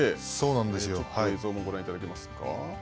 ちょっと映像もご覧いただけますか。